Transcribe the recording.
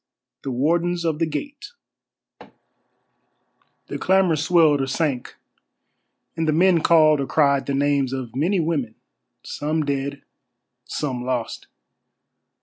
THE WARDENS OF THE GATE The clamour swelled or sank, and the men called or cried the names of many women, some dead, some lost.